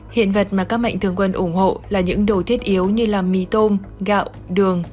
hiện vật mà các mạnh thường quân ủng hộ là những đồ thiết yếu như mì tôm gạo đường